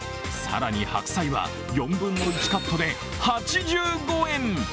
更に白菜は４分の１カットで８５円。